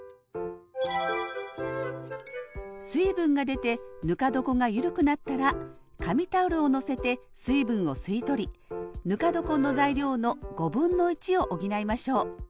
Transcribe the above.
水分が出てぬか床が緩くなったら紙タオルをのせて水分を吸い取りぬか床の材料のを補いましょう。